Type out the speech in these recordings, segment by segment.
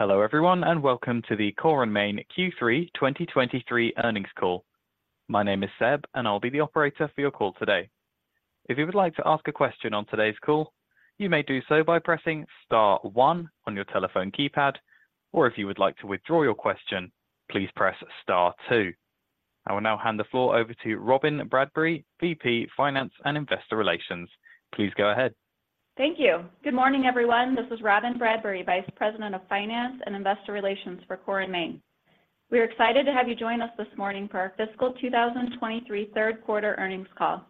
Hello everyone, and welcome to the Core & Main Q3 2023 earnings call. My name is Seb, and I'll be the operator for your call today. If you would like to ask a question on today's call, you may do so by pressing star one on your telephone keypad, or if you would like to withdraw your question, please press star two. I will now hand the floor over to Robyn Bradbury, VP, Finance and Investor Relations. Please go ahead. Thank you. Good morning, everyone. This is Robyn Bradbury, Vice President of Finance and Investor Relations for Core & Main. We are excited to have you join us this morning for our fiscal 2023 third quarter earnings call.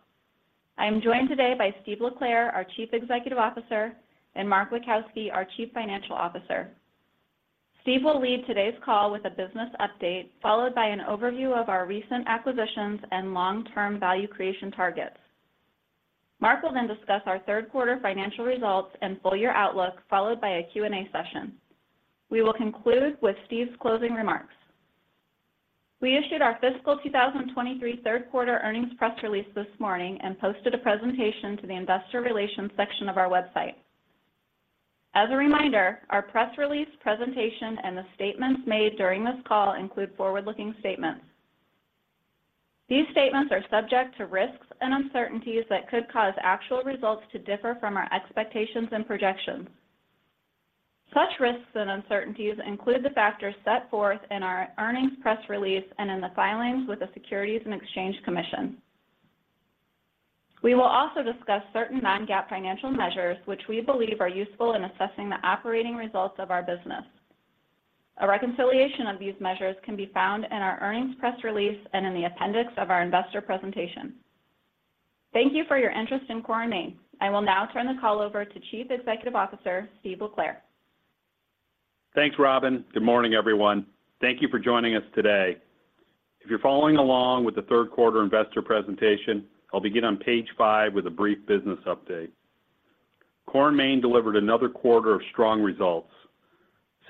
I am joined today by Steve LeClair, our Chief Executive Officer, and Mark Witkowski, our Chief Financial Officer. Steve will lead today's call with a business update, followed by an overview of our recent acquisitions and long-term value creation targets. Mark will then discuss our third quarter financial results and full year outlook, followed by a Q&A session. We will conclude with Steve's closing remarks. We issued our fiscal 2023 third quarter earnings press release this morning and posted a presentation to the investor relations section of our website. As a reminder, our press release presentation and the statements made during this call include forward-looking statements. These statements are subject to risks and uncertainties that could cause actual results to differ from our expectations and projections. Such risks and uncertainties include the factors set forth in our earnings press release and in the filings with the Securities and Exchange Commission. We will also discuss certain non-GAAP financial measures, which we believe are useful in assessing the operating results of our business. A reconciliation of these measures can be found in our earnings press release and in the appendix of our investor presentation. Thank you for your interest in Core & Main. I will now turn the call over to Chief Executive Officer, Steve LeClair. Thanks, Robyn. Good morning, everyone. Thank you for joining us today. If you're following along with the third quarter investor presentation, I'll begin on page 5 with a brief business update. Core & Main delivered another quarter of strong results.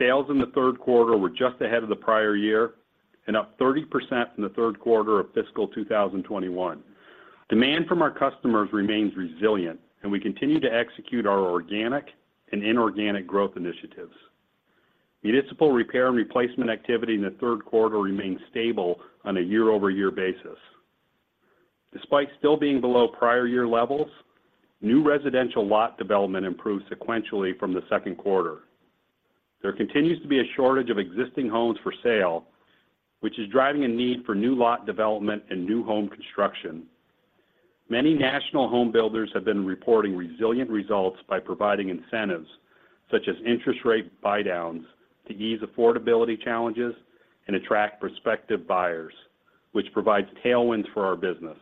Sales in the third quarter were just ahead of the prior year and up 30% from the third quarter of fiscal 2021. Demand from our customers remains resilient, and we continue to execute our organic and inorganic growth initiatives. Municipal repair and replacement activity in the third quarter remained stable on a year-over-year basis. Despite still being below prior year levels, new residential lot development improved sequentially from the second quarter. There continues to be a shortage of existing homes for sale, which is driving a need for new lot development and new home construction. Many national home builders have been reporting resilient results by providing incentives such as interest rate buydowns to ease affordability challenges and attract prospective buyers, which provides tailwinds for our business.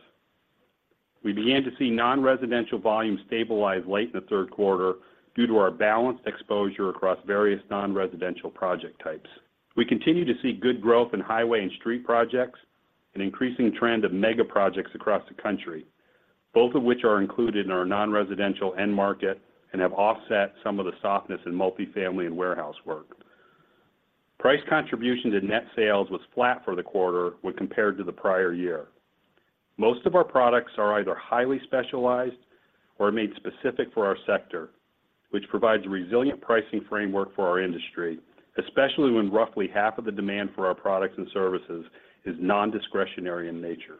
We began to see non-residential volumes stabilize late in the third quarter due to our balanced exposure across various non-residential project types. We continue to see good growth in highway and street projects, an increasing trend of mega projects across the country, both of which are included in our non-residential end market and have offset some of the softness in multifamily and warehouse work. Price contribution to net sales was flat for the quarter when compared to the prior year. Most of our products are either highly specialized or made specific for our sector, which provides a resilient pricing framework for our industry, especially when roughly half of the demand for our products and services is non-discretionary in nature.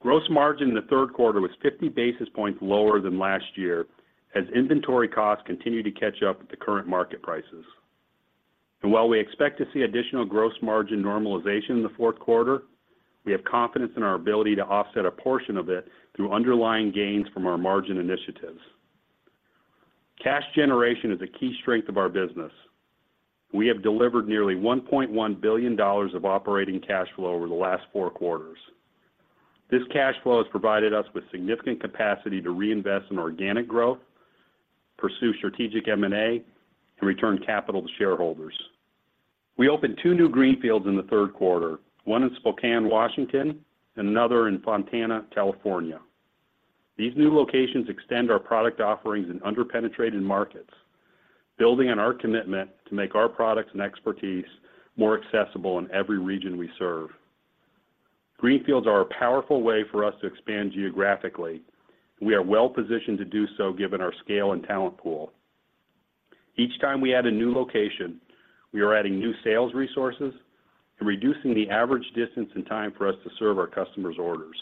Gross margin in the third quarter was 50 basis points lower than last year, as inventory costs continue to catch up with the current market prices. While we expect to see additional gross margin normalization in the fourth quarter, we have confidence in our ability to offset a portion of it through underlying gains from our margin initiatives. Cash generation is a key strength of our business. We have delivered nearly $1.1 billion of operating cash flow over the last 4 quarters. This cash flow has provided us with significant capacity to reinvest in organic growth, pursue strategic M&A, and return capital to shareholders. We opened 2 new greenfields in the third quarter, one in Spokane, Washington, and another in Fontana, California. These new locations extend our product offerings in under-penetrated markets, building on our commitment to make our products and expertise more accessible in every region we serve. Greenfields are a powerful way for us to expand geographically. We are well positioned to do so, given our scale and talent pool. Each time we add a new location, we are adding new sales resources and reducing the average distance and time for us to serve our customers' orders.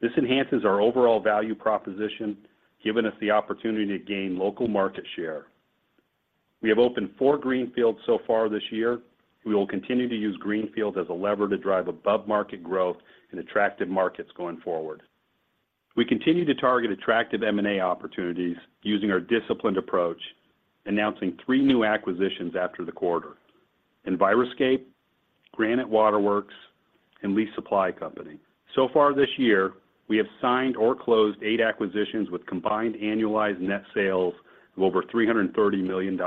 This enhances our overall value proposition, giving us the opportunity to gain local market share. We have opened four greenfields so far this year. We will continue to use greenfields as a lever to drive above-market growth in attractive markets going forward. We continue to target attractive M&A opportunities using our disciplined approach, announcing three new acquisitions after the quarter: Enviroscape, Granite Water Works, and Lee Supply Company. So far this year, we have signed or closed 8 acquisitions with combined annualized net sales of over $330 million.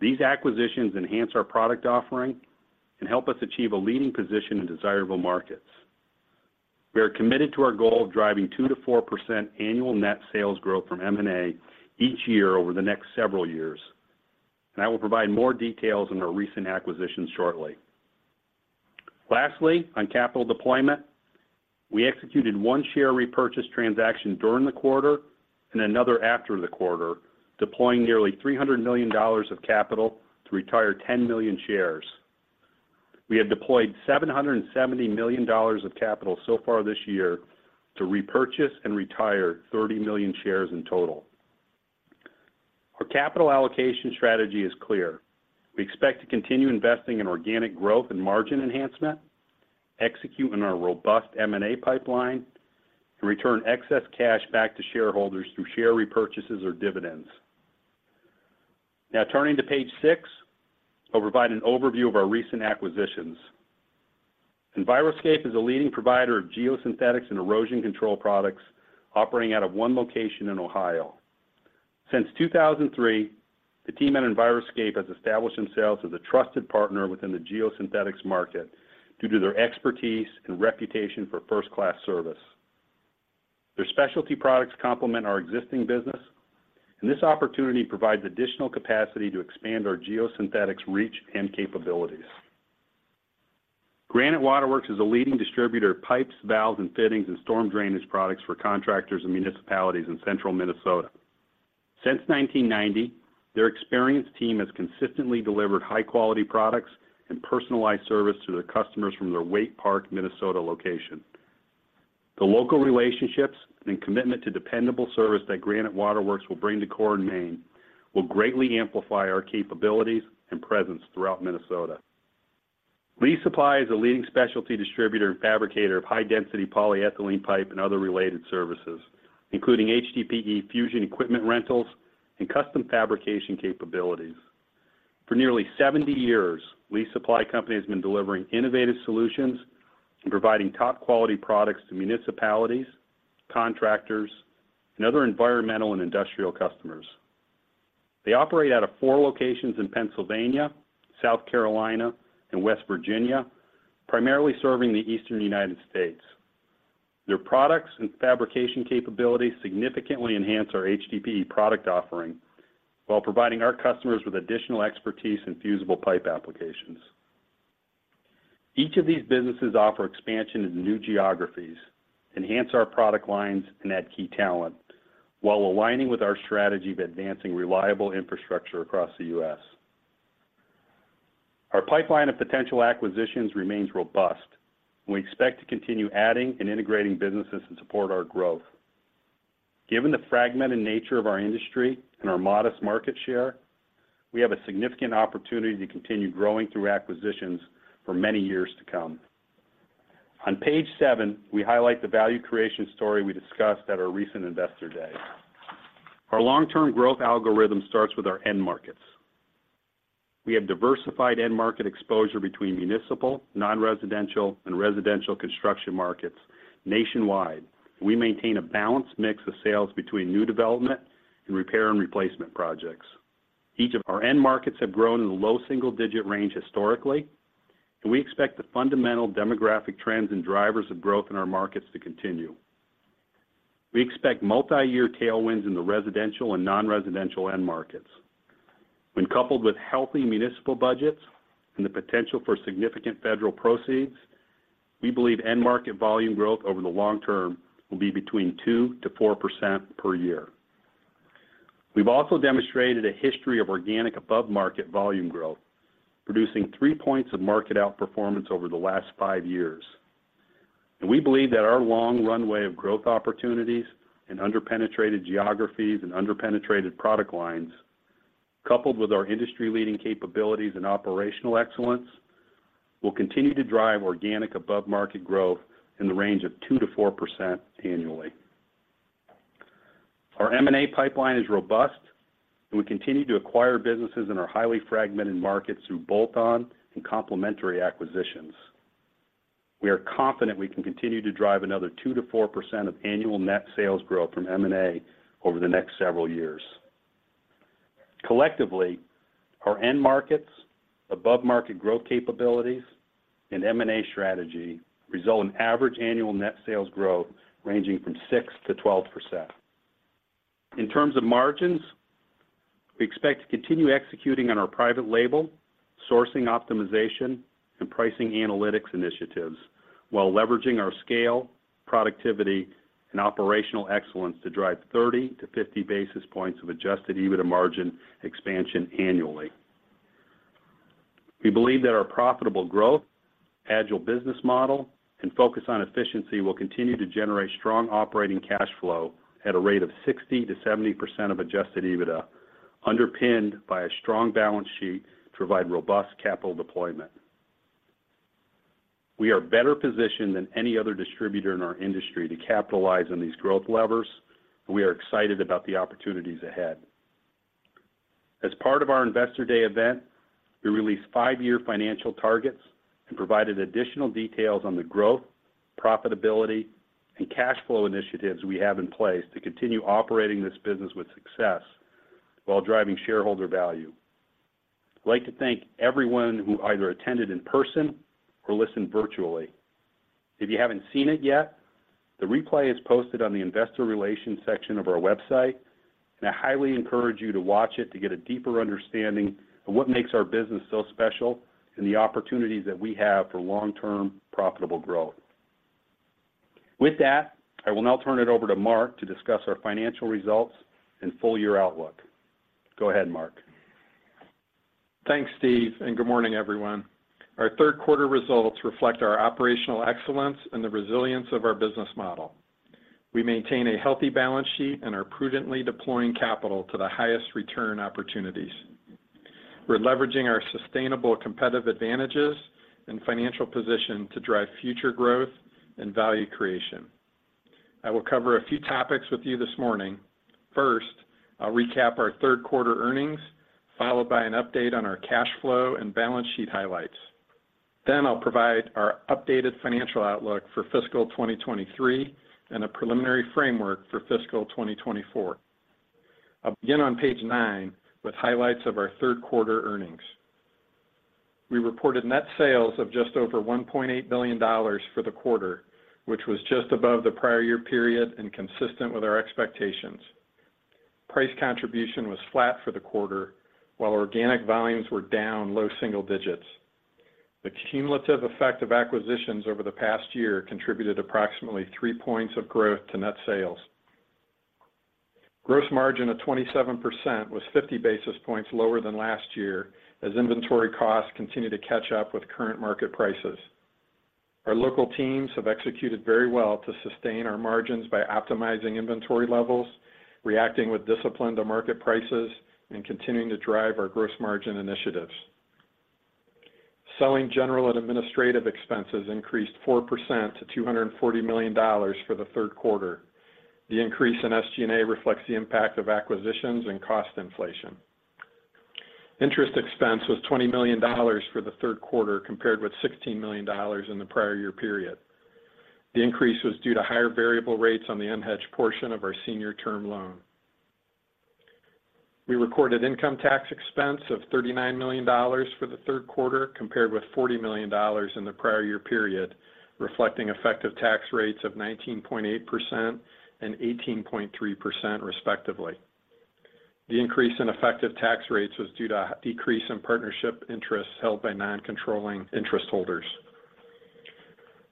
These acquisitions enhance our product offering and help us achieve a leading position in desirable markets. We are committed to our goal of driving 2%-4% annual net sales growth from M&A each year over the next several years, and I will provide more details on our recent acquisitions shortly. Lastly, on capital deployment, we executed one share repurchase transaction during the quarter and another after the quarter, deploying nearly $300 million of capital to retire 10 million shares. We have deployed $770 million of capital so far this year to repurchase and retire 30 million shares in total. Our capital allocation strategy is clear: We expect to continue investing in organic growth and margin enhancement, execute on our robust M&A pipeline, and return excess cash back to shareholders through share repurchases or dividends. Now turning to page six, I'll provide an overview of our recent acquisitions. Enviroscape is a leading provider of geosynthetics and erosion control products operating out of one location in Ohio. Since 2003, the team at Enviroscape has established themselves as a trusted partner within the geosynthetics market due to their expertise and reputation for first-class service. Their specialty products complement our existing business, and this opportunity provides additional capacity to expand our geosynthetics reach and capabilities. Granite Water Works is a leading distributor of pipes, valves, and fittings, and storm drainage products for contractors and municipalities in central Minnesota. Since 1990, their experienced team has consistently delivered high-quality products and personalized service to their customers from their Waite Park, Minnesota, location. The local relationships and commitment to dependable service that Granite Water Works will bring to Core & Main will greatly amplify our capabilities and presence throughout Minnesota. Lee Supply is a leading specialty distributor and fabricator of high-density polyethylene pipe and other related services, including HDPE fusion equipment rentals and custom fabrication capabilities. For nearly 70 years, Lee Supply Company has been delivering innovative solutions and providing top-quality products to municipalities, contractors, and other environmental and industrial customers. They operate out of four locations in Pennsylvania, South Carolina, and West Virginia, primarily serving the Eastern United States. Their products and fabrication capabilities significantly enhance our HDPE product offering while providing our customers with additional expertise in fusible pipe applications. Each of these businesses offer expansion into new geographies, enhance our product lines, and add key talent while aligning with our strategy of advancing reliable infrastructure across the U.S. Our pipeline of potential acquisitions remains robust. We expect to continue adding and integrating businesses to support our growth. Given the fragmented nature of our industry and our modest market share, we have a significant opportunity to continue growing through acquisitions for many years to come. On page 7, we highlight the value creation story we discussed at our recent Investor Day. Our long-term growth algorithm starts with our end markets. We have diversified end market exposure between municipal, non-residential, and residential construction markets nationwide. We maintain a balanced mix of sales between new development and repair and replacement projects. Each of our end markets have grown in the low single-digit range historically, and we expect the fundamental demographic trends and drivers of growth in our markets to continue. We expect multiyear tailwinds in the residential and non-residential end markets. When coupled with healthy municipal budgets and the potential for significant federal proceeds, we believe end market volume growth over the long term will be between 2%-4% per year. We've also demonstrated a history of organic above-market volume growth, producing three points of market outperformance over the last five years. We believe that our long runway of growth opportunities in underpenetrated geographies and underpenetrated product lines, coupled with our industry-leading capabilities and operational excellence, will continue to drive organic above-market growth in the range of 2%-4% annually. Our M&A pipeline is robust, and we continue to acquire businesses in our highly fragmented markets through bolt-on and complementary acquisitions. We are confident we can continue to drive another 2%-4% of annual net sales growth from M&A over the next several years. Collectively, our end markets, above-market growth capabilities, and M&A strategy result in average annual net sales growth ranging from 6%-12%. In terms of margins, we expect to continue executing on our private label, sourcing optimization, and pricing analytics initiatives while leveraging our scale, productivity, and operational excellence to drive 30-50 basis points of adjusted EBITDA margin expansion annually. We believe that our profitable growth, agile business model, and focus on efficiency will continue to generate strong operating cash flow at a rate of 60%-70% of Adjusted EBITDA, underpinned by a strong balance sheet to provide robust capital deployment. We are better positioned than any other distributor in our industry to capitalize on these growth levers, and we are excited about the opportunities ahead. As part of our Investor Day event, we released five-year financial targets and provided additional details on the growth, profitability, and cash flow initiatives we have in place to continue operating this business with success while driving shareholder value. I'd like to thank everyone who either attended in person or listened virtually. If you haven't seen it yet, the replay is posted on the Investor Relations section of our website, and I highly encourage you to watch it to get a deeper understanding of what makes our business so special and the opportunities that we have for long-term profitable growth. With that, I will now turn it over to Mark to discuss our financial results and full year outlook. Go ahead, Mark. Thanks, Steve, and good morning, everyone. Our third quarter results reflect our operational excellence and the resilience of our business model. We maintain a healthy balance sheet and are prudently deploying capital to the highest return opportunities. We're leveraging our sustainable competitive advantages and financial position to drive future growth and value creation. I will cover a few topics with you this morning. First, I'll recap our third quarter earnings, followed by an update on our cash flow and balance sheet highlights. Then I'll provide our updated financial outlook for fiscal 2023 and a preliminary framework for fiscal 2024. I'll begin on page 9 with highlights of our third quarter earnings. We reported net sales of just over $1.8 billion for the quarter, which was just above the prior year period and consistent with our expectations. Price contribution was flat for the quarter, while organic volumes were down low single digits. The cumulative effect of acquisitions over the past year contributed approximately 3 points of growth to net sales. Gross margin of 27% was 50 basis points lower than last year, as inventory costs continue to catch up with current market prices. Our local teams have executed very well to sustain our margins by optimizing inventory levels, reacting with discipline to market prices, and continuing to drive our gross margin initiatives. Selling, general, and administrative expenses increased 4% to $240 million for the third quarter. The increase in SG&A reflects the impact of acquisitions and cost inflation. Interest expense was $20 million for the third quarter, compared with $16 million in the prior year period. The increase was due to higher variable rates on the unhedged portion of our senior term loan. We recorded income tax expense of $39 million for the third quarter, compared with $40 million in the prior year period, reflecting effective tax rates of 19.8% and 18.3% respectively. The increase in effective tax rates was due to a decrease in partnership interests held by non-controlling interest holders.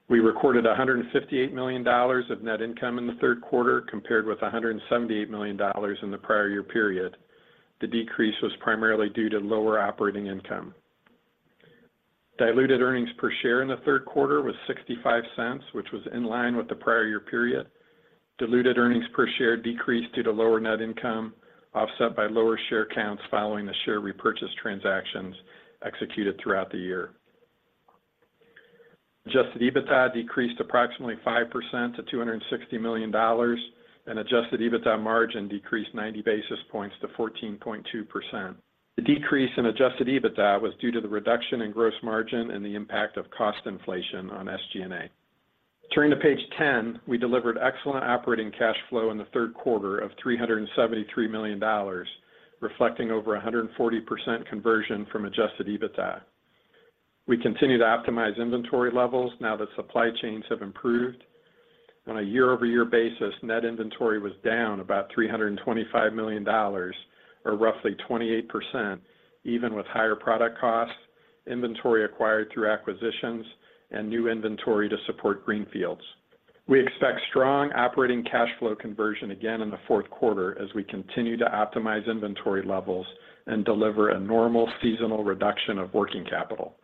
We recorded $158 million of net income in the third quarter, compared with $178 million in the prior year period. The decrease was primarily due to lower operating income. Diluted earnings per share in the third quarter was $0.65, which was in line with the prior year period. Diluted earnings per share decreased due to lower net income, offset by lower share counts following the share repurchase transactions executed throughout the year. Adjusted EBITDA decreased approximately 5% to $260 million, and adjusted EBITDA margin decreased 90 basis points to 14.2%. The decrease in adjusted EBITDA was due to the reduction in gross margin and the impact of cost inflation on SG&A. Turning to page 10, we delivered excellent operating cash flow in the third quarter of $373 million, reflecting over 140% conversion from adjusted EBITDA. We continue to optimize inventory levels now that supply chains have improved. On a year-over-year basis, net inventory was down about $325 million, or roughly 28%, even with higher product costs, inventory acquired through acquisitions, and new inventory to support greenfields. We expect strong operating cash flow conversion again in the fourth quarter as we continue to optimize inventory levels and deliver a normal seasonal reduction of working capital.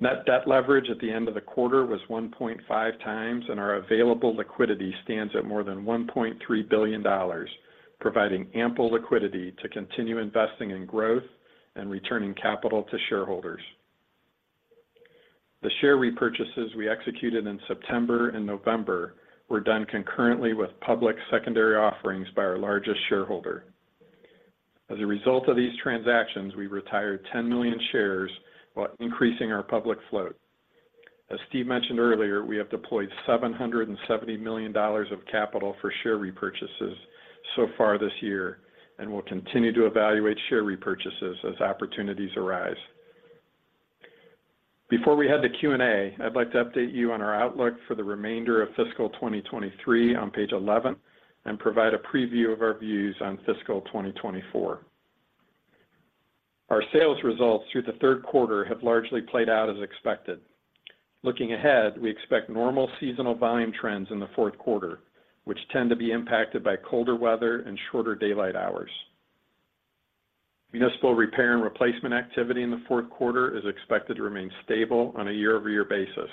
Net debt leverage at the end of the quarter was 1.5 times, and our available liquidity stands at more than $1.3 billion, providing ample liquidity to continue investing in growth and returning capital to shareholders. The share repurchases we executed in September and November were done concurrently with public secondary offerings by our largest shareholder. As a result of these transactions, we retired 10 million shares while increasing our public float. As Steve mentioned earlier, we have deployed $770 million of capital for share repurchases so far this year, and we'll continue to evaluate share repurchases as opportunities arise. Before we head to Q&A, I'd like to update you on our outlook for the remainder of fiscal 2023 on page 11 and provide a preview of our views on fiscal 2024. Our sales results through the third quarter have largely played out as expected. Looking ahead, we expect normal seasonal volume trends in the fourth quarter, which tend to be impacted by colder weather and shorter daylight hours. Municipal repair and replacement activity in the fourth quarter is expected to remain stable on a year-over-year basis.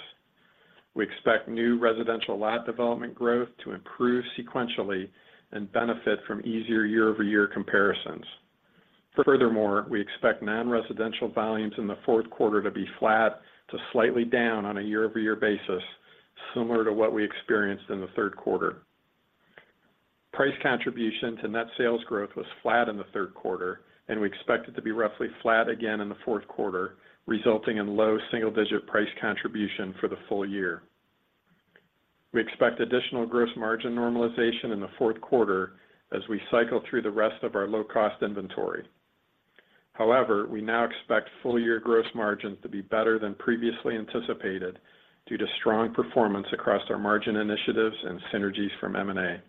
We expect new residential lot development growth to improve sequentially and benefit from easier year-over-year comparisons. Furthermore, we expect non-residential volumes in the fourth quarter to be flat to slightly down on a year-over-year basis, similar to what we experienced in the third quarter. Price contribution to net sales growth was flat in the third quarter, and we expect it to be roughly flat again in the fourth quarter, resulting in low single-digit price contribution for the full year.... We expect additional gross margin normalization in the fourth quarter as we cycle through the rest of our low-cost inventory. However, we now expect full-year gross margins to be better than previously anticipated, due to strong performance across our margin initiatives and synergies from M&A.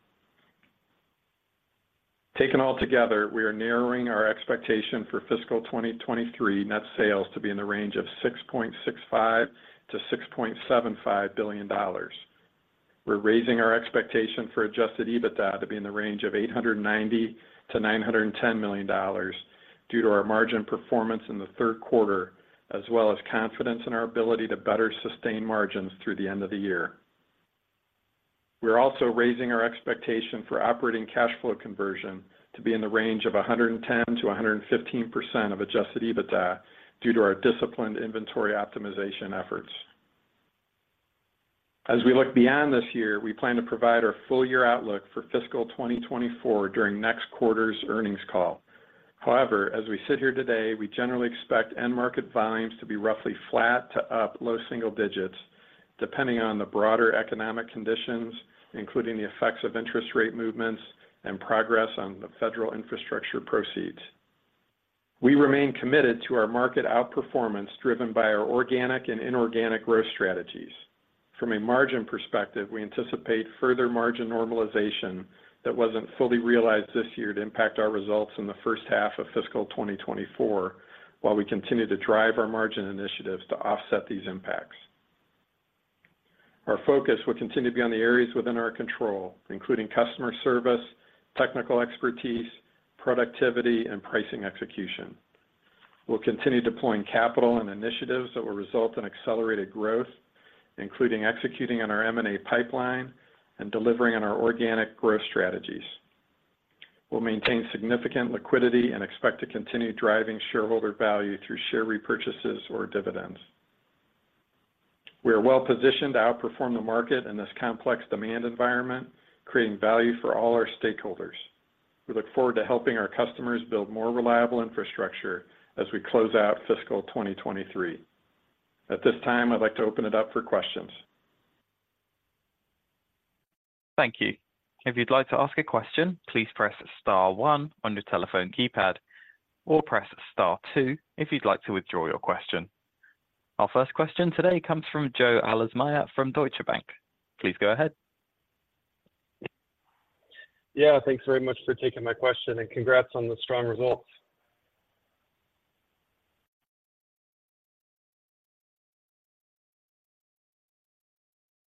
Taken all together, we are narrowing our expectation for fiscal 2023 net sales to be in the range of $6.65 billion-$6.75 billion. We're raising our expectation for Adjusted EBITDA to be in the range of $890 million-$910 million, due to our margin performance in the third quarter, as well as confidence in our ability to better sustain margins through the end of the year. We are also raising our expectation for operating cash flow conversion to be in the range of 110%-115% of Adjusted EBITDA, due to our disciplined inventory optimization efforts. As we look beyond this year, we plan to provide our full-year outlook for fiscal 2024 during next quarter's earnings call. However, as we sit here today, we generally expect end market volumes to be roughly flat to up low single digits, depending on the broader economic conditions, including the effects of interest rate movements and progress on the federal infrastructure proceeds. We remain committed to our market outperformance, driven by our organic and inorganic growth strategies. From a margin perspective, we anticipate further margin normalization that wasn't fully realized this year to impact our results in the first half of fiscal 2024, while we continue to drive our margin initiatives to offset these impacts. Our focus will continue to be on the areas within our control, including customer service, technical expertise, productivity, and pricing execution. We'll continue deploying capital and initiatives that will result in accelerated growth, including executing on our M&A pipeline and delivering on our organic growth strategies. We'll maintain significant liquidity and expect to continue driving shareholder value through share repurchases or dividends. We are well positioned to outperform the market in this complex demand environment, creating value for all our stakeholders. We look forward to helping our customers build more reliable infrastructure as we close out fiscal 2023. At this time, I'd like to open it up for questions. Thank you. If you'd like to ask a question, please press star one on your telephone keypad, or press star two if you'd like to withdraw your question. Our first question today comes from Joe Ahlersmeyer from Deutsche Bank. Please go ahead. Yeah. Thanks very much for taking my question, and congrats on the strong results.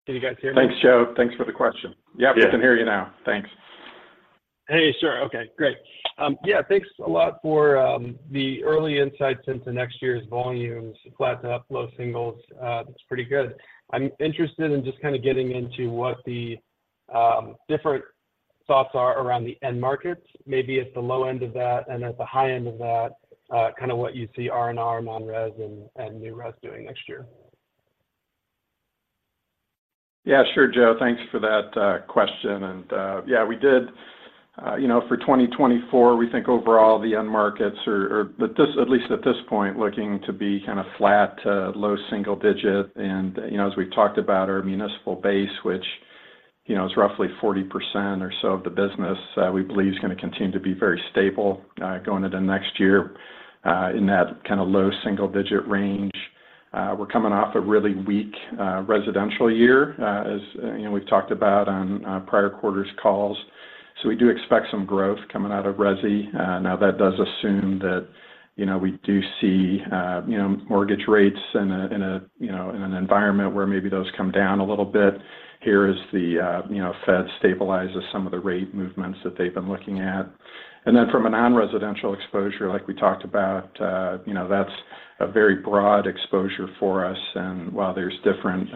Can you guys hear me? Thanks, Joe. Thanks for the question. Yeah. We can hear you now. Thanks. Hey, sure. Okay, great. Yeah, thanks a lot for the early insights into next year's volumes, flat to up, low singles. That's pretty good. I'm interested in just kind of getting into what the different thoughts are around the end markets. Maybe at the low end of that and at the high end of that, kind of what you see R&R, non-res, and, and new res doing next year. Yeah, sure, Joe. Thanks for that question, and yeah, we did you know, for 2024, we think overall the end markets are... But this, at least at this point, looking to be kind of flat to low single-digit. And you know, as we've talked about our municipal base, which you know, is roughly 40% or so of the business, we believe is gonna continue to be very stable going into next year in that kind of low single-digit range. We're coming off a really weak residential year as you know, we've talked about on prior quarters calls, so we do expect some growth coming out of resi. Now, that does assume that, you know, we do see, you know, mortgage rates in a, in a, you know, in an environment where maybe those come down a little bit. You know, Fed stabilizes some of the rate movements that they've been looking at. And then from a non-residential exposure, like we talked about, you know, that's a very broad exposure for us, and while there's different,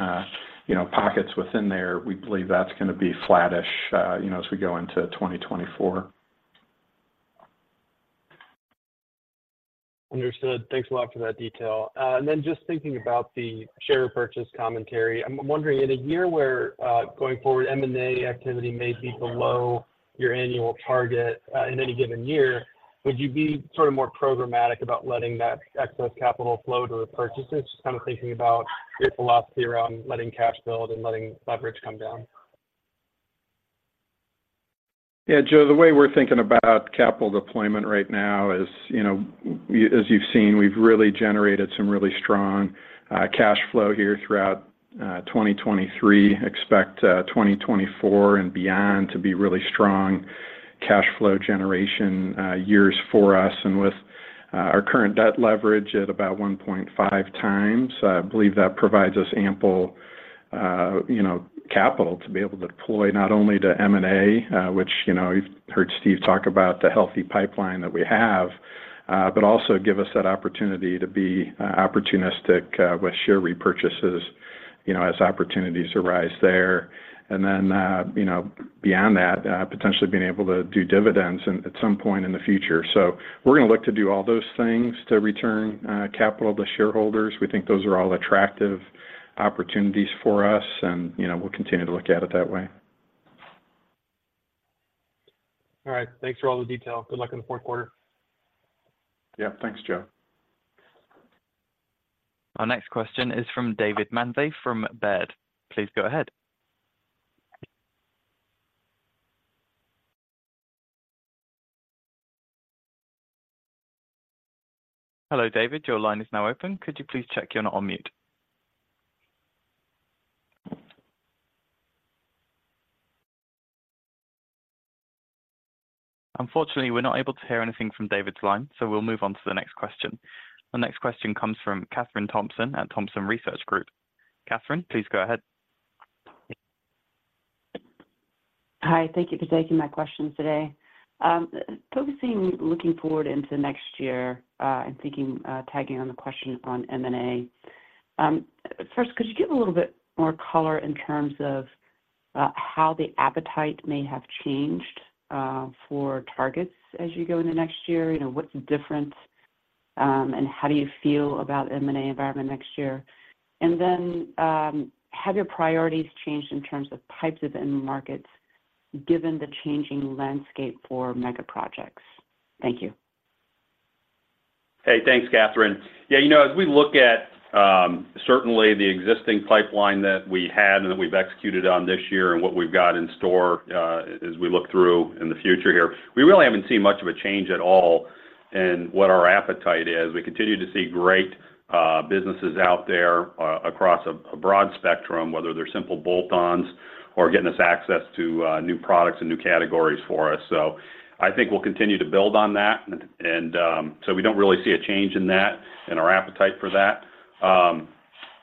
you know, pockets within there, we believe that's gonna be flattish, you know, as we go into 2024. Understood. Thanks a lot for that detail. And then just thinking about the share purchase commentary, I'm wondering: in a year where, going forward, M&A activity may be below your annual target, in any given year, would you be sort of more programmatic about letting that excess capital flow to the purchases? Just kind of thinking about your philosophy around letting cash build and letting leverage come down. Yeah, Joe, the way we're thinking about capital deployment right now is, you know, as you've seen, we've really generated some really strong cash flow here throughout 2023. Expect 2024 and beyond to be really strong cash flow generation years for us. And with our current debt leverage at about 1.5 times, I believe that provides us ample, you know, capital to be able to deploy, not only to M&A, which, you know, you've heard Steve talk about the healthy pipeline that we have, but also give us that opportunity to be opportunistic with share repurchases, you know, as opportunities arise there. And then, you know, beyond that, potentially being able to do dividends and at some point in the future. So we're gonna look to do all those things to return capital to shareholders. We think those are all attractive opportunities for us, and, you know, we'll continue to look at it that way.... All right. Thanks for all the detail. Good luck in the fourth quarter. Yeah, thanks, Joe. Our next question is from David Manthey, from Baird. Please go ahead. Hello, David, your line is now open. Could you please check you're not on mute? Unfortunately, we're not able to hear anything from David's line, so we'll move on to the next question. The next question comes from Kathryn Thompson at Thompson Research Group. Kathryn, please go ahead. Hi, thank you for taking my questions today. Focusing, looking forward into next year, and thinking, tagging on the question on M&A. First, could you give a little bit more color in terms of how the appetite may have changed for targets as you go into next year? You know, what's the difference, and how do you feel about M&A environment next year? And then, have your priorities changed in terms of types of end markets, given the changing landscape for mega projects? Thank you. Hey, thanks, Kathryn. Yeah, you know, as we look at certainly the existing pipeline that we had and that we've executed on this year and what we've got in store, as we look through in the future here, we really haven't seen much of a change at all in what our appetite is. We continue to see great businesses out there across a broad spectrum, whether they're simple bolt-ons or getting us access to new products and new categories for us. So I think we'll continue to build on that. And so we don't really see a change in that, in our appetite for that.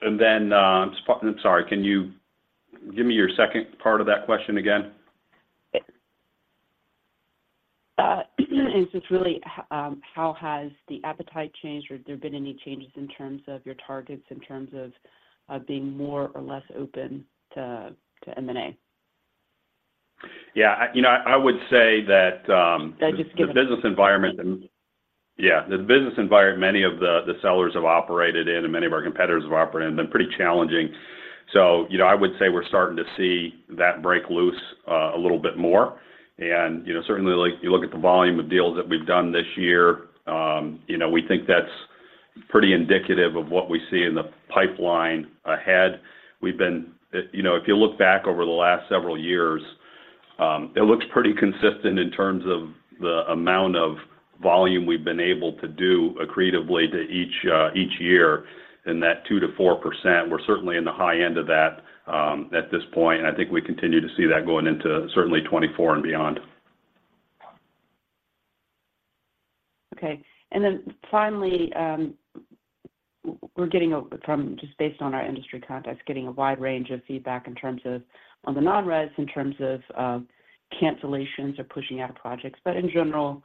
And then, sorry, can you give me your second part of that question again? It's just really, how has the appetite changed or have there been any changes in terms of your targets, in terms of, being more or less open to, to M&A? Yeah, you know, I would say that, Just give-... the business environment, many of the sellers have operated in and many of our competitors have operated in, have been pretty challenging. So you know, I would say we're starting to see that break loose, a little bit more. And you know, certainly, like, you look at the volume of deals that we've done this year, you know, we think that's pretty indicative of what we see in the pipeline ahead. We've been, you know, if you look back over the last several years, it looks pretty consistent in terms of the amount of volume we've been able to do accretively to each year. In that 2%-4%, we're certainly in the high end of that, at this point, and I think we continue to see that going into certainly 2024 and beyond. Okay. And then finally, we're getting a, from just based on our industry context, getting a wide range of feedback in terms of on the non-res, in terms of, cancellations or pushing out projects. But in general,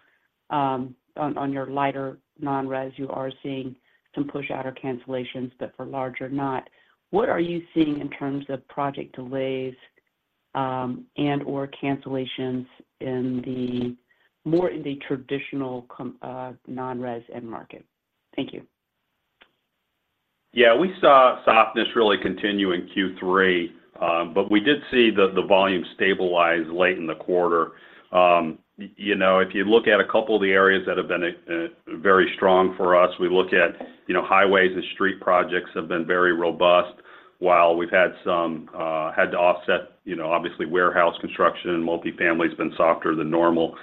on, on your lighter non-res, you are seeing some pushout or cancellations, but for larger, not. What are you seeing in terms of project delays, and/or cancellations in the more in the traditional com, non-res end market? Thank you. Yeah, we saw softness really continue in Q3, but we did see the volume stabilize late in the quarter. You know, if you look at a couple of the areas that have been very strong for us, we look at, you know, highways and street projects have been very robust. While we've had some had to offset, you know, obviously, warehouse construction, and multifamily has been softer than normal.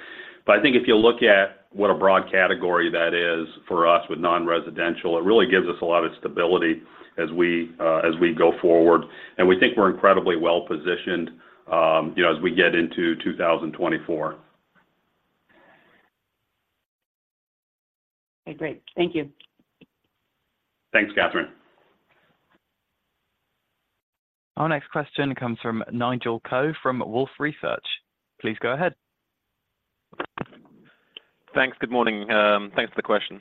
But I think if you look at what a broad category that is for us with non-residential, it really gives us a lot of stability as we as we go forward. And we think we're incredibly well-positioned, you know, as we get into 2024. Okay, great. Thank you. Thanks, Kathryn. Our next question comes from Nigel Coe from Wolfe Research. Please go ahead. Thanks. Good morning. Thanks for the question.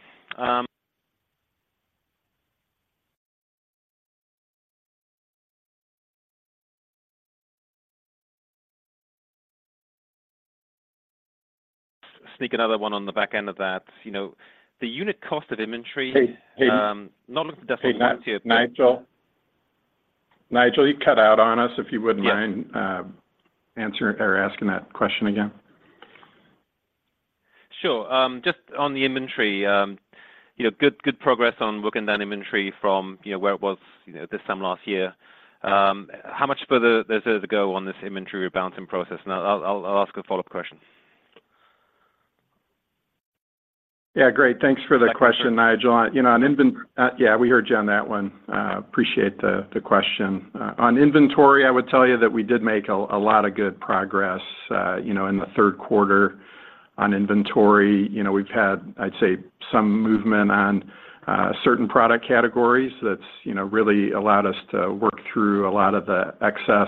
Sneak another one on the back end of that. You know, the unit cost of inventory- Hey, hey- Not looking- Hey, Nigel? Nigel, you cut out on us, if you wouldn't mind- Yeah... answering or asking that question again. Sure, just on the inventory, you know, good, good progress on working down inventory from, you know, where it was, you know, this time last year. How much further there is to go on this inventory rebalancing process? And I'll ask a follow-up question. Yeah, great. Thanks for the question, Nigel. You know, on yeah, we heard you on that one. Okay. Appreciate the question. On inventory, I would tell you that we did make a lot of good progress, you know, in the third quarter on inventory. You know, we've had, I'd say, some movement on certain product categories that's, you know, really allowed us to work through a lot of the excess,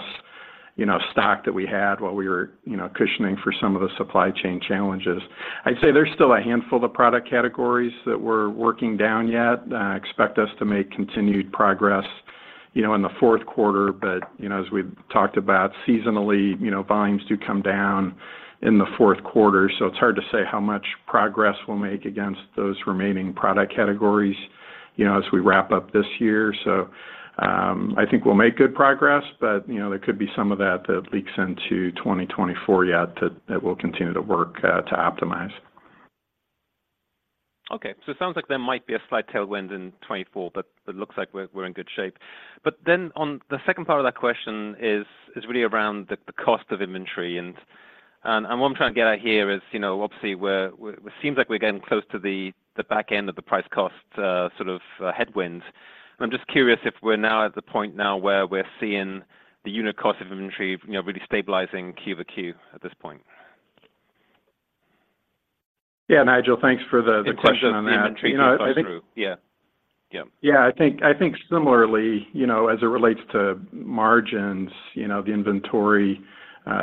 you know, stock that we had while we were, you know, cushioning for some of the supply chain challenges. I'd say there's still a handful of product categories that we're working down yet. Expect us to make continued progress, you know, in the fourth quarter. But, you know, as we've talked about seasonally, you know, volumes do come down in the fourth quarter, so it's hard to say how much progress we'll make against those remaining product categories.... you know, as we wrap up this year. So, I think we'll make good progress, but, you know, there could be some of that that leaks into 2024 yet that we'll continue to work to optimize. Okay. So it sounds like there might be a slight tailwind in 2024, but it looks like we're in good shape. But then the second part of that question is really around the cost of inventory. And what I'm trying to get at here is, you know, obviously, we're getting close to the back end of the price cost sort of headwind. I'm just curious if we're now at the point now where we're seeing the unit cost of inventory, you know, really stabilizing Q over Q at this point? Yeah, Nigel, thanks for the question on that. In terms of inventory, you know? Yeah. Yeah. Yeah. I think, I think similarly, you know, as it relates to margins, you know, the inventory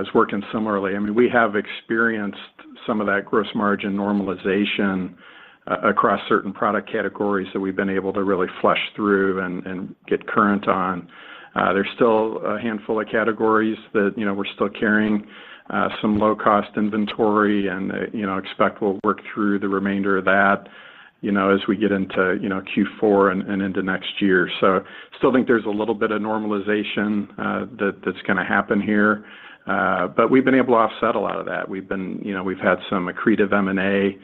is working similarly. I mean, we have experienced some of that gross margin normalization across certain product categories that we've been able to really flush through and get current on. There's still a handful of categories that, you know, we're still carrying some low-cost inventory and, you know, expect we'll work through the remainder of that, you know, as we get into, you know, Q4 and into next year. So still think there's a little bit of normalization that that's gonna happen here. But we've been able to offset a lot of that. We've been you know, we've had some accretive M&A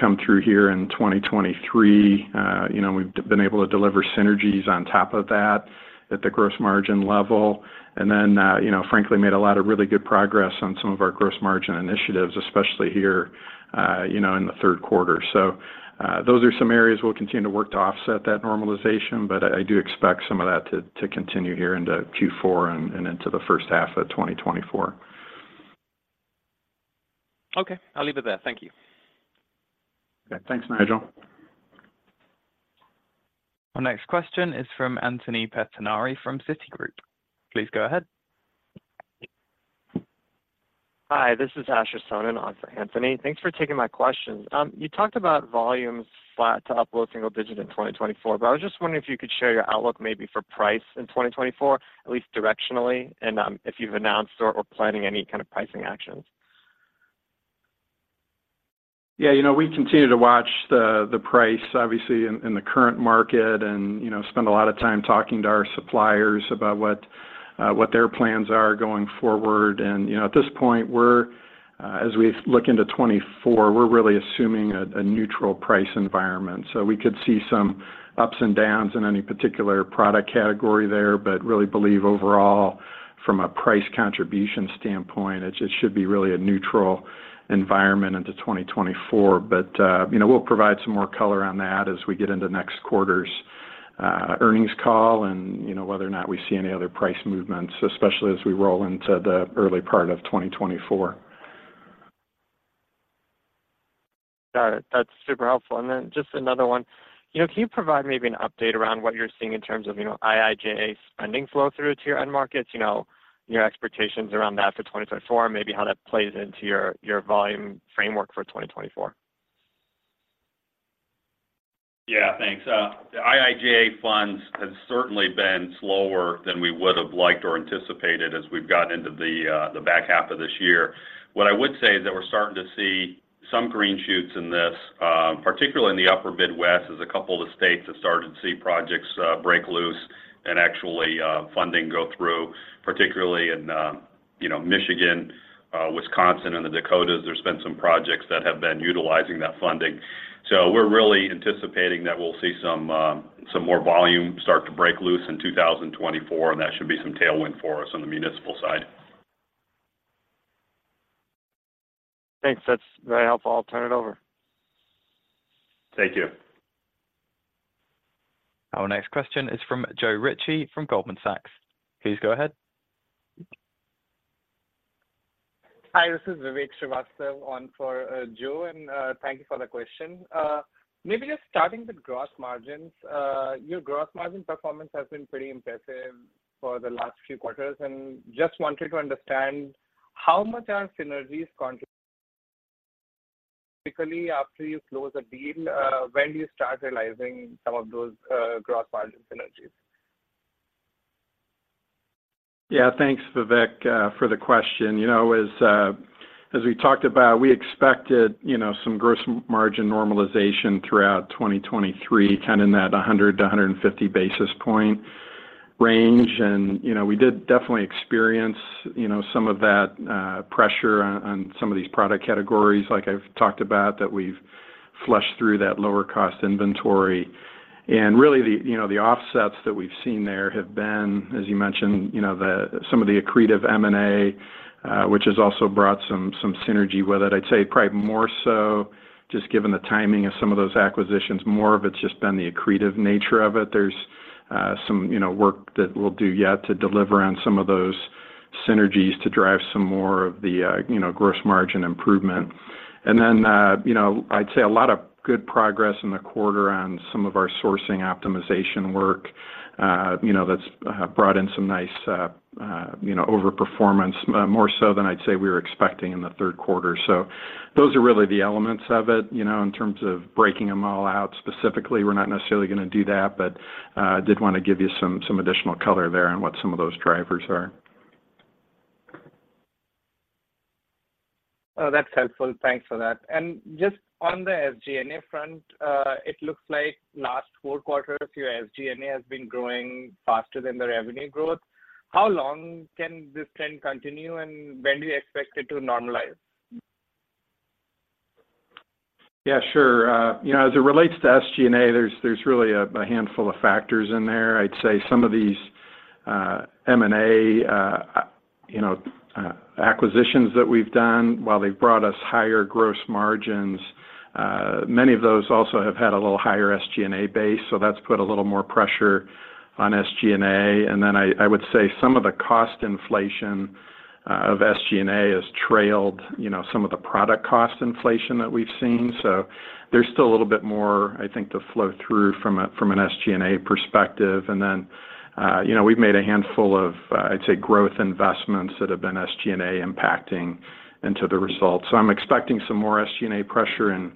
come through here in 2023. You know, we've been able to deliver synergies on top of that at the Gross Margin level, and then, you know, frankly, made a lot of really good progress on some of our Gross Margin initiatives, especially here, you know, in the third quarter. So, those are some areas we'll continue to work to offset that normalization, but I do expect some of that to continue here into Q4 and into the first half of 2024. Okay, I'll leave it there. Thank you. Yeah. Thanks, Nigel. Our next question is from Anthony Pettinari from Citigroup. Please go ahead. Hi, this is Asher Sohnen on for Anthony. Thanks for taking my question. You talked about volumes flat to up low single digit in 2024, but I was just wondering if you could share your outlook maybe for price in 2024, at least directionally, and if you've announced or planning any kind of pricing actions? Yeah, you know, we continue to watch the price, obviously, in the current market and, you know, spend a lot of time talking to our suppliers about what their plans are going forward. And, you know, at this point, we're as we look into 2024, we're really assuming a neutral price environment. So we could see some ups and downs in any particular product category there, but really believe overall, from a price contribution standpoint, it just should be really a neutral environment into 2024. But, you know, we'll provide some more color on that as we get into next quarter's earnings call and, you know, whether or not we see any other price movements, especially as we roll into the early part of 2024. Got it. That's super helpful. And then just another one: You know, can you provide maybe an update around what you're seeing in terms of, you know, IIJA spending flow-through to your end markets? You know, your expectations around that for 2024, maybe how that plays into your, your volume framework for 2024. Yeah, thanks. The IIJA funds have certainly been slower than we would have liked or anticipated as we've gotten into the back half of this year. What I would say is that we're starting to see some green shoots in this, particularly in the upper Midwest, as a couple of the states have started to see projects break loose and actually funding go through, particularly in, you know, Michigan, Wisconsin, and the Dakotas, there's been some projects that have been utilizing that funding. So we're really anticipating that we'll see some more volume start to break loose in 2024, and that should be some tailwind for us on the municipal side. Thanks. That's very helpful. I'll turn it over. Thank you. Our next question is from Joe Ritchie from Goldman Sachs. Please go ahead. Hi, this is Vivek Srivastava on for, Joe, and, thank you for the question. Maybe just starting with gross margins. Your gross margin performance has been pretty impressive for the last few quarters, and just wanted to understand how much are synergies typically, after you close a deal, when do you start realizing some of those, gross margin synergies? Yeah. Thanks, Vivek, for the question. You know, as we talked about, we expected, you know, some gross margin normalization throughout 2023, kind of in that 100-150 basis point range, and, you know, we did definitely experience, you know, some of that pressure on some of these product categories, like I've talked about, that we've flushed through that lower cost inventory. And really, the offsets that we've seen there have been, as you mentioned, you know, some of the accretive M&A, which has also brought some synergy with it. I'd say probably more so just given the timing of some of those acquisitions, more of it's just been the accretive nature of it. There's some, you know, work that we'll do yet to deliver on some of those synergies to drive some more of the, you know, gross margin improvement. And then, you know, I'd say a lot of good progress in the quarter on some of our sourcing optimization work, you know, that's brought in some nice, you know, overperformance, more so than I'd say we were expecting in the third quarter. So those are really the elements of it. You know, in terms of breaking them all out specifically, we're not necessarily gonna do that, but I did want to give you some additional color there on what some of those drivers are.... Oh, that's helpful. Thanks for that. And just on the SG&A front, it looks like last four quarters, your SG&A has been growing faster than the revenue growth. How long can this trend continue, and when do you expect it to normalize? Yeah, sure. You know, as it relates to SG&A, there's really a handful of factors in there. I'd say some of these M&A, you know, acquisitions that we've done, while they've brought us higher gross margins, many of those also have had a little higher SG&A base, so that's put a little more pressure on SG&A. And then I would say some of the cost inflation of SG&A has trailed, you know, some of the product cost inflation that we've seen. So there's still a little bit more, I think, to flow through from an SG&A perspective. And then, you know, we've made a handful of, I'd say, growth investments that have been SG&A impacting into the results. So I'm expecting some more SG&A pressure in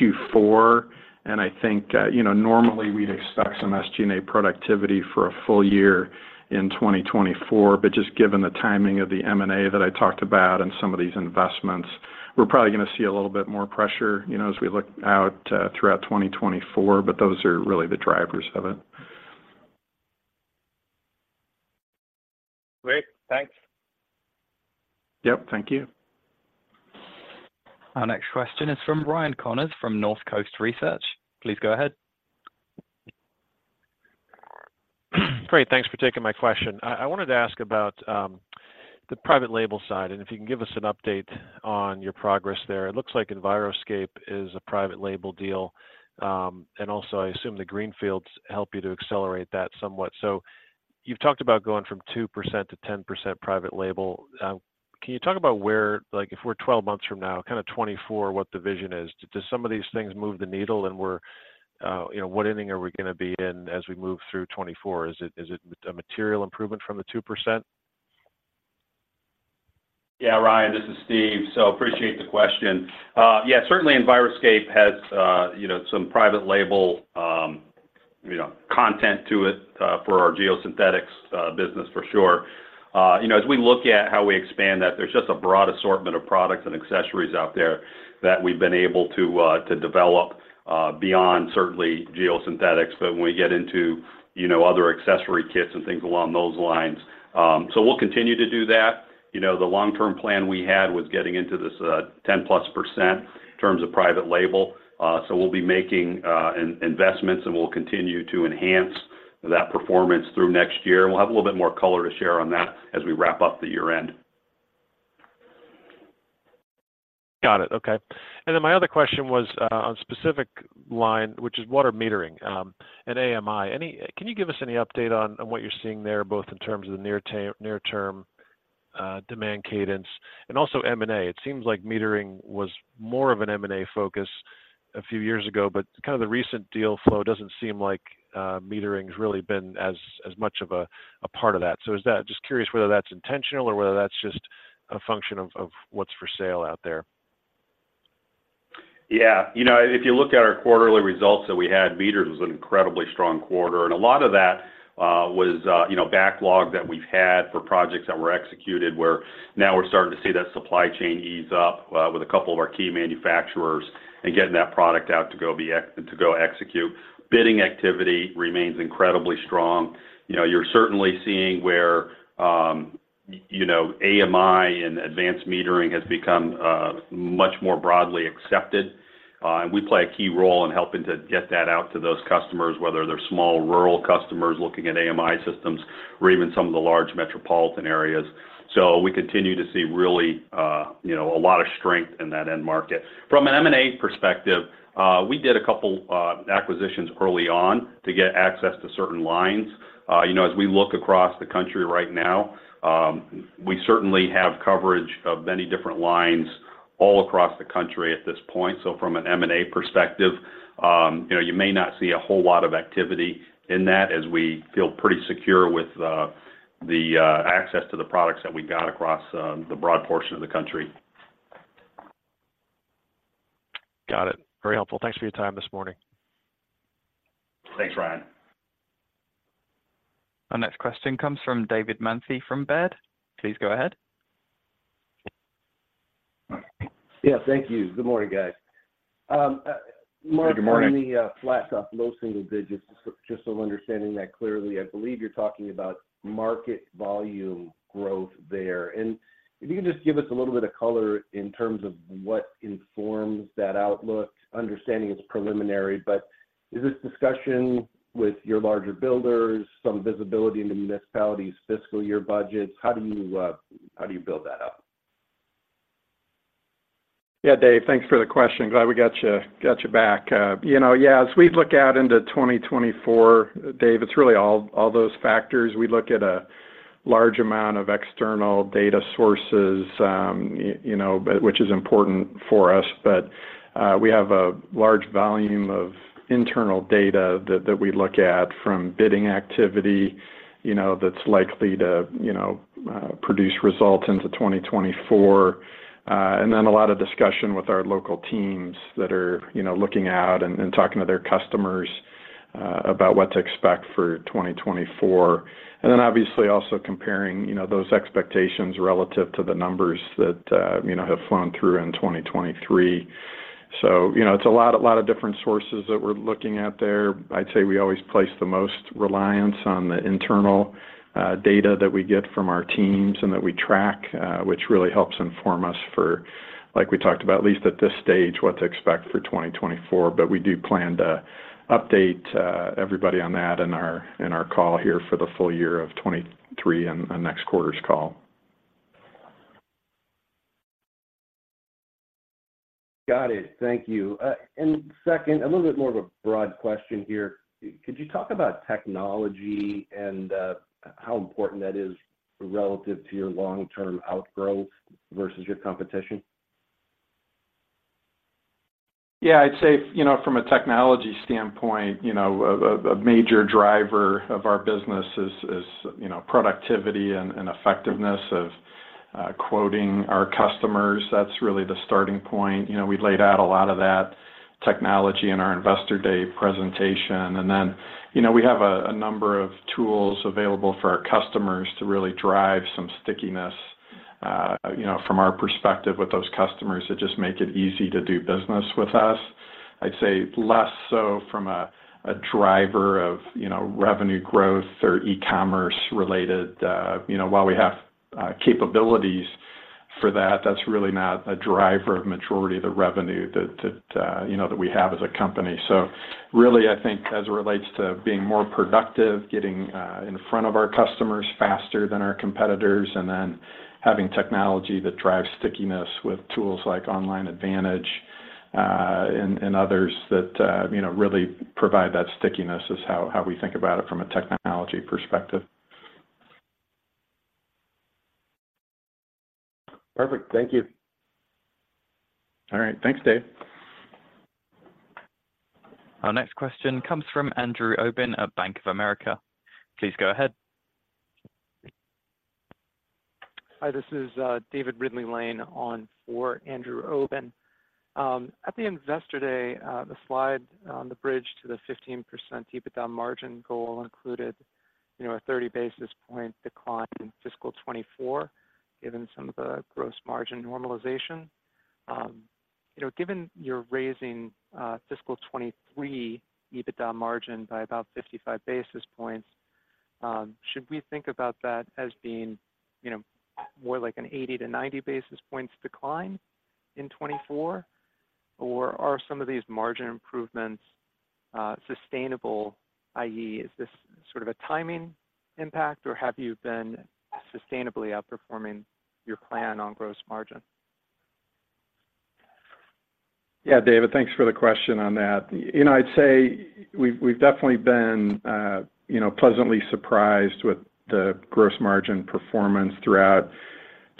Q4, and I think, you know, normally, we'd expect some SG&A productivity for a full year in 2024. But just given the timing of the M&A that I talked about and some of these investments, we're probably gonna see a little bit more pressure, you know, as we look out, throughout 2024, but those are really the drivers of it. Great. Thanks. Yep, thank you. Our next question is from Ryan Connors, from Northcoast Research. Please go ahead. Great, thanks for taking my question. I wanted to ask about the private label side, and if you can give us an update on your progress there. It looks like Enviroscape is a private label deal, and also, I assume the greenfields help you to accelerate that somewhat. So you've talked about going from 2%-10% private label. Can you talk about where... like, if we're 12 months from now, kind of 2024, what the vision is? Do some of these things move the needle, and we're, you know, what inning are we gonna be in as we move through 2024? Is it a material improvement from the 2%? Yeah, Ryan, this is Steve. So appreciate the question. Yeah, certainly, Enviroscape has, you know, some private label, you know, content to it, for our geosynthetics, business, for sure. You know, as we look at how we expand that, there's just a broad assortment of products and accessories out there that we've been able to develop, beyond certainly geosynthetics, but when we get into, you know, other accessory kits and things along those lines. So we'll continue to do that. You know, the long-term plan we had was getting into this, 10%+ in terms of private label. So we'll be making investments, and we'll continue to enhance that performance through next year. We'll have a little bit more color to share on that as we wrap up the year-end. Got it. Okay. And then my other question was on specific line, which is water metering, and AMI. Can you give us any update on what you're seeing there, both in terms of the near-term demand cadence and also M&A? It seems like metering was more of an M&A focus a few years ago, but kind of the recent deal flow doesn't seem like metering's really been as much of a part of that. So is that... Just curious whether that's intentional or whether that's just a function of what's for sale out there. Yeah. You know, if you look at our quarterly results that we had, meters was an incredibly strong quarter, and a lot of that was you know, backlog that we've had for projects that were executed, where now we're starting to see that supply chain ease up with a couple of our key manufacturers and getting that product out to go execute. Bidding activity remains incredibly strong. You know, you're certainly seeing where you know, AMI and advanced metering has become much more broadly accepted, and we play a key role in helping to get that out to those customers, whether they're small rural customers looking at AMI systems or even some of the large metropolitan areas. So we continue to see really you know, a lot of strength in that end market. From an M&A perspective, we did a couple acquisitions early on to get access to certain lines. You know, as we look across the country right now, we certainly have coverage of many different lines all across the country at this point. So from an M&A perspective, you know, you may not see a whole lot of activity in that, as we feel pretty secure with the access to the products that we've got across the broad portion of the country. Got it. Very helpful. Thanks for your time this morning. Thanks, Ryan. Our next question comes from David Manthey from Baird. Please go ahead. Yeah, thank you. Good morning, guys. Mark- Good morning. On the flat to low single digits, just so understanding that clearly, I believe you're talking about market volume growth there. And if you can just give us a little bit of color in terms of what informs that outlook. Understanding it's preliminary, but is this discussion with your larger builders some visibility into municipalities' fiscal year budgets? How do you, how do you build that up? Yeah, Dave, thanks for the question. Glad we got you, got you back. You know, yeah, as we look out into 2024, Dave, it's really all, all those factors. We look at a large amount of external data sources, you know, but which is important for us. But we have a large volume of internal data that, that we look at from bidding activity, you know, that's likely to, you know, produce results into 2024. And then a lot of discussion with our local teams that are, you know, looking out and, and talking to their customers about what to expect for 2024, and then obviously also comparing, you know, those expectations relative to the numbers that, you know, have flown through in 2023. So, you know, it's a lot, a lot of different sources that we're looking at there. I'd say we always place the most reliance on the internal data that we get from our teams and that we track, which really helps inform us for, like we talked about, at least at this stage, what to expect for 2024. But we do plan to update everybody on that in our, in our call here for the full year of 2023 and, and next quarter's call. Got it. Thank you. And second, a little bit more of a broad question here: Could you talk about technology and, how important that is relative to your long-term outgrowth versus your competition? Yeah, I'd say, you know, from a technology standpoint, you know, a major driver of our business is, you know, productivity and effectiveness of quoting our customers. That's really the starting point. You know, we laid out a lot of that technology in our Investor Day presentation. And then, you know, we have a number of tools available for our customers to really drive some stickiness, you know, from our perspective with those customers, that just make it easy to do business with us. I'd say less so from a driver of, you know, revenue growth or e-commerce related. You know, while we have capabilities for that, that's really not a driver of majority of the revenue that, you know, that we have as a company. So really, I think as it relates to being more productive, getting in front of our customers faster than our competitors, and then having technology that drives stickiness with tools like Online Advantage, and others that you know really provide that stickiness, is how we think about it from a technology perspective. Perfect. Thank you. All right. Thanks, Dave. Our next question comes from Andrew Obin at Bank of America. Please go ahead. Hi, this is, David Ridley-Lane on for Andrew Obin. At the Investor Day, the slide on the bridge to the 15% EBITDA margin goal included, you know, a 30 basis point decline in fiscal 2024, given some of the gross margin normalization. You know, given you're raising, fiscal 2023 EBITDA margin by about 55 basis points, should we think about that as being, you know, more like an 80-90 basis points decline in 2024? Or are some of these margin improvements, sustainable, i.e., is this sort of a timing impact, or have you been sustainably outperforming your plan on gross margin? Yeah, David, thanks for the question on that. You know, I'd say we've definitely been, you know, pleasantly surprised with the Gross Margin performance throughout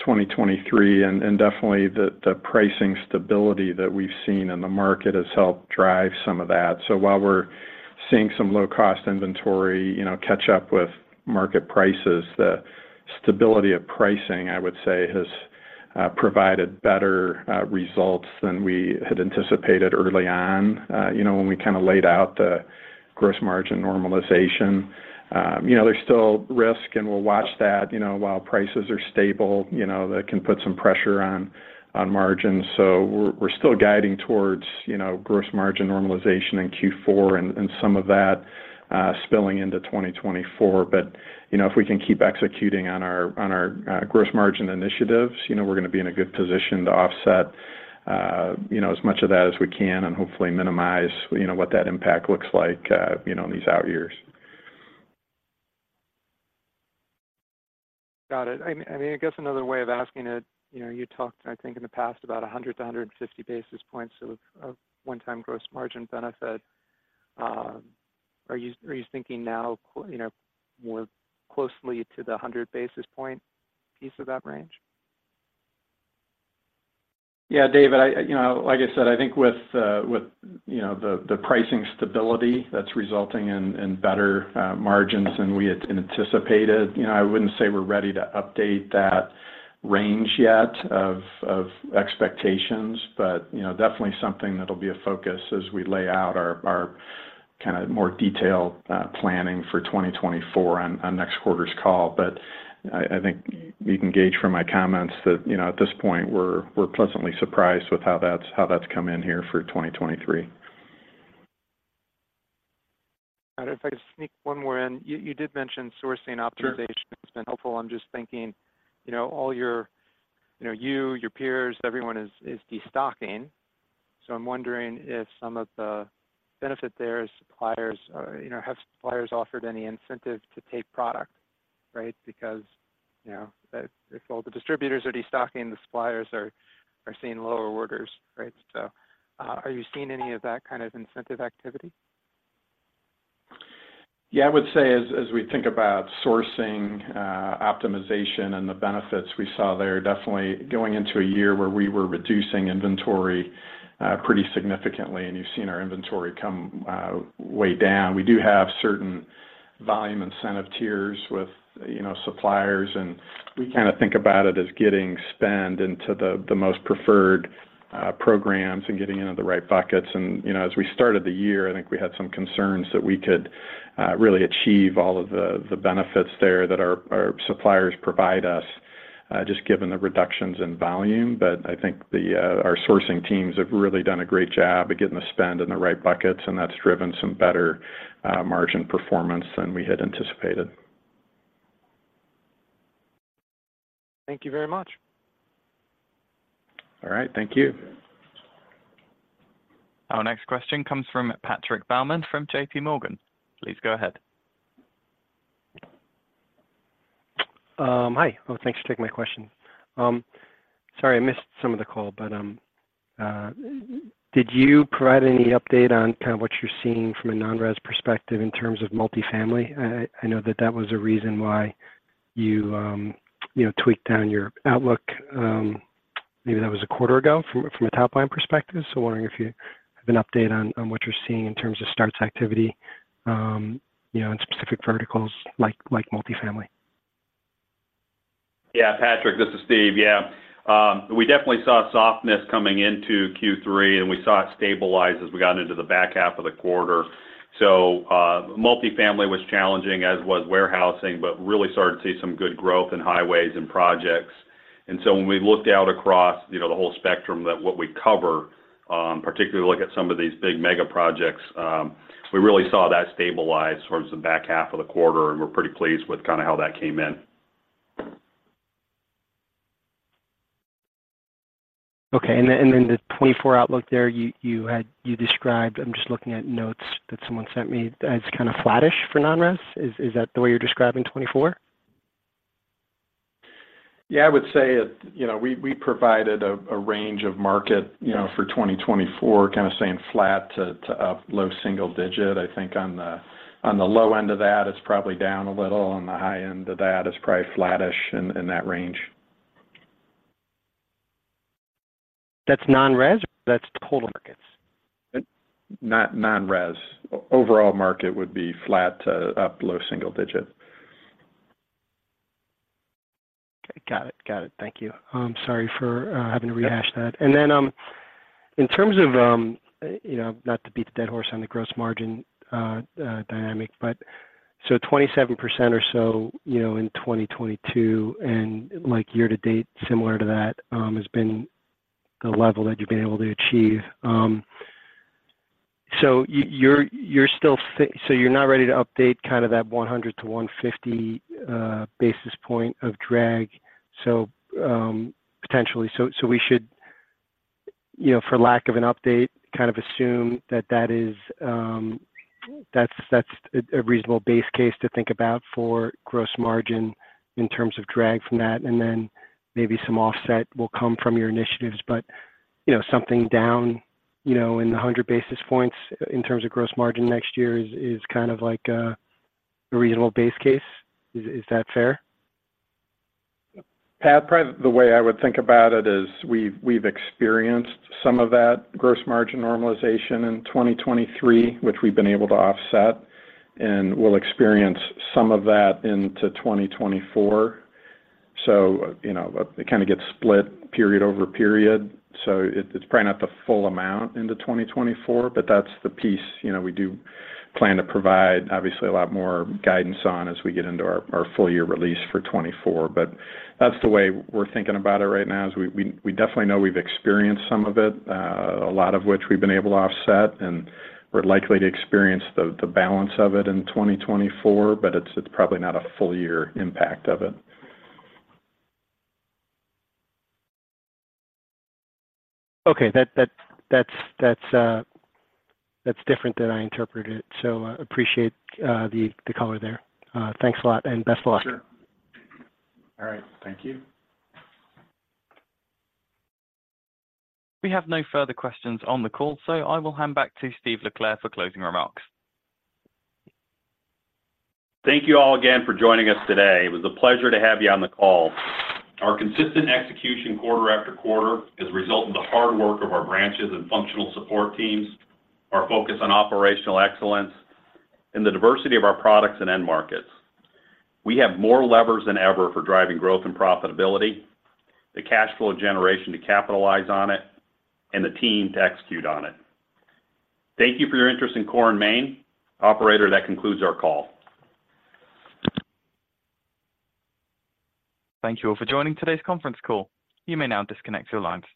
2023, and definitely the pricing stability that we've seen in the market has helped drive some of that. So while we're seeing some low-cost inventory, you know, catch up with market prices, the stability of pricing, I would say, has provided better results than we had anticipated early on, you know, when we kinda laid out the Gross Margin normalization. You know, there's still risk, and we'll watch that. You know, while prices are stable, you know, that can put some pressure on margins. So we're still guiding towards, you know, Gross Margin normalization in Q4 and some of that spilling into 2024. You know, if we can keep executing on our gross margin initiatives, you know, we're gonna be in a good position to offset, you know, as much of that as we can and hopefully minimize, you know, what that impact looks like, you know, in these out years. Got it. I mean, I guess another way of asking it, you know, you talked, I think, in the past, about 100-150 basis points of one-time gross margin benefit. Are you thinking now, you know, more closely to the 100 basis point piece of that range? Yeah, David, you know, like I said, I think with, with you know, the pricing stability that's resulting in better margins than we had anticipated, you know, I wouldn't say we're ready to update that range yet of expectations. But, you know, definitely something that'll be a focus as we lay out our kinda more detailed planning for 2024 on next quarter's call. But I think you can gauge from my comments that, you know, at this point, we're pleasantly surprised with how that's come in here for 2023. If I could sneak one more in. You did mention sourcing optimization- Sure has been helpful. I'm just thinking, you know, all your... You know, you, your peers, everyone is, is destocking. So I'm wondering if some of the benefit there is suppliers or, you know, have suppliers offered any incentive to take product, right? Because, you know, if, if all the distributors are destocking, the suppliers are, are seeing lower orders, right? So, are you seeing any of that kind of incentive activity? Yeah, I would say as we think about sourcing optimization and the benefits we saw there, definitely going into a year where we were reducing inventory pretty significantly, and you've seen our inventory come way down. We do have certain volume incentive tiers with, you know, suppliers, and we kind of think about it as getting spend into the most preferred programs and getting into the right buckets. And, you know, as we started the year, I think we had some concerns that we could really achieve all of the benefits there that our suppliers provide us, just given the reductions in volume. But I think our sourcing teams have really done a great job of getting the spend in the right buckets, and that's driven some better margin performance than we had anticipated. Thank you very much. All right. Thank you. Our next question comes from Patrick Baumann from JPMorgan. Please go ahead. Hi. Well, thanks for taking my question. Sorry, I missed some of the call, but, did you provide any update on kind of what you're seeing from a non-res perspective in terms of multifamily? I know that that was a reason why you, you know, tweaked down your outlook, maybe that was a quarter ago from a top-line perspective. So I'm wondering if you have an update on what you're seeing in terms of starts activity, you know, in specific verticals like multifamily. Yeah, Patrick, this is Steve. Yeah. We definitely saw softness coming into Q3, and we saw it stabilize as we got into the back half of the quarter. So, multifamily was challenging, as was warehousing, but really started to see some good growth in highways and projects. And so when we looked out across, you know, the whole spectrum that what we cover, particularly look at some of these big mega projects, we really saw that stabilize towards the back half of the quarter, and we're pretty pleased with kinda how that came in. Okay. And then the 2024 outlook there, you had—you described, I'm just looking at notes that someone sent me, as kinda flattish for non-res. Is that the way you're describing 2024? Yeah, I would say it. You know, we provided a range of market, you know, for 2024, kinda saying flat to up low single digit. I think on the low end of that, it's probably down a little, on the high end of that, it's probably flattish in that range. That's non-res, or that's total markets? Non-res. Overall market would be flat to up low single digit. Okay. Got it. Got it. Thank you. I'm sorry for having to rehash that. Yeah. And then, in terms of, you know, not to beat the dead horse on the gross margin dynamic, but so 27% or so, you know, in 2022, and like year to date, similar to that, has been the level that you've been able to achieve. So you're not ready to update kinda that 100-150 basis point of drag, so potentially. So we should, you know, for lack of an update, kind of assume that that is, that's a reasonable base case to think about for gross margin in terms of drag from that, and then maybe some offset will come from your initiatives. You know, something down, you know, in the 100 basis points in terms of gross margin next year is kind of like a reasonable base case? Is that fair? Pat, probably the way I would think about it is we've experienced some of that gross margin normalization in 2023, which we've been able to offset, and we'll experience some of that into 2024. So, you know, it kinda gets split period over period, so it's probably not the full amount into 2024, but that's the piece, you know, we do plan to provide obviously a lot more guidance on as we get into our full year release for 2024. But that's the way we're thinking about it right now, is we definitely know we've experienced some of it, a lot of which we've been able to offset, and we're likely to experience the balance of it in 2024, but it's probably not a full year impact of it. Okay. That's different than I interpreted it, so appreciate the color there. Thanks a lot, and best of luck. Sure. All right. Thank you. We have no further questions on the call, so I will hand back to Steve LeClair for closing remarks. Thank you all again for joining us today. It was a pleasure to have you on the call. Our consistent execution quarter after quarter is a result of the hard work of our branches and functional support teams, our focus on operational excellence, and the diversity of our products and end markets. We have more levers than ever for driving growth and profitability, the cash flow generation to capitalize on it, and the team to execute on it. Thank you for your interest in Core & Main. Operator, that concludes our call. Thank you all for joining today's conference call. You may now disconnect your lines.